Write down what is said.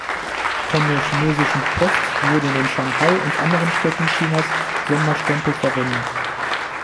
Von der chinesischen Post wurden in Shanghai und anderen Städten Chinas Sonderstempel verwendet.